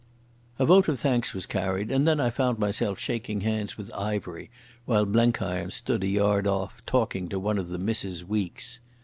A vote of thanks was carried, and then I found myself shaking hands with Ivery while Blenkiron stood a yard off, talking to one of the Misses Weekes.